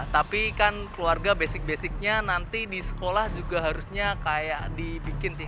tapi kan keluarga basic basicnya nanti di sekolah juga harusnya kayak dibikin sih